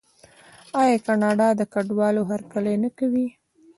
آیا کاناډا د کډوالو هرکلی نه کوي؟